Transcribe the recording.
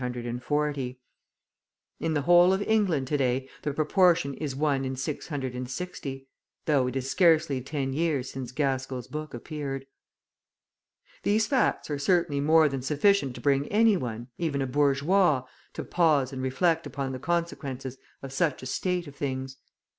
{131a} In the whole of England to day the proportion is 1: 660; {131b} though it is scarcely ten years since Gaskell's book appeared! These facts are certainly more than sufficient to bring any one, even a bourgeois, to pause and reflect upon the consequences of such a state of things.